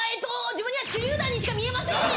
自分には手りゅう弾にしか見えません！